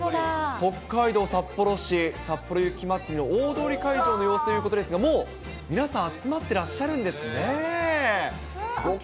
北海道札幌市、さっぽろ雪まつり、大通会場の様子ということですが、もう皆さん集まってらっしゃるんですねー。